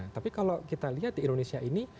tapi kalau kita lihat di indonesia ini